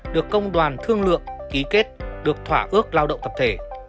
được công đoàn thương lượng ký kết được thỏa ước lao động tập thể